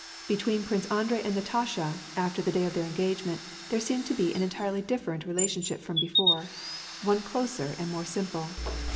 Between Prince Andrei and Natasha, after the day of their engagement, there seemed to be an entirely different relation ship from before : one closer, and more simple.